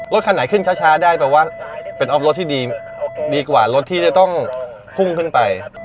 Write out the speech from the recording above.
คันไหนขึ้นช้าได้แปลว่าเป็นออฟรถที่ดีกว่ารถที่จะต้องพุ่งขึ้นไป